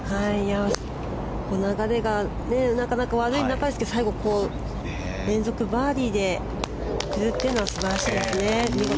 流れがなかなか悪い中ですけど最後、連続バーディーで来るというのは素晴らしいですね。